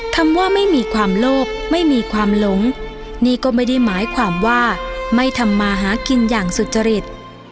คำว่าไม่มีความโลภไม่มีความหลงนี่ก็ไม่ได้หมายความว่าไม่ทำมาหากินอย่างสุจริต